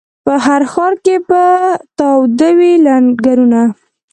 په هر ښار کي به تاوده وي لنګرونه